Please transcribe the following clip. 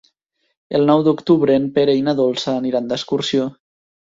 El nou d'octubre en Pere i na Dolça aniran d'excursió.